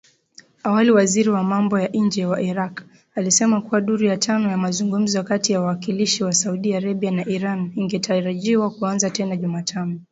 Awali waziri wa mambo ya nje wa Iraq, alisema kuwa duru ya tano ya mazungumzo kati ya wawakilishi wa Saudi Arabia na Iran ingetarajiwa kuanza tena Jumatano.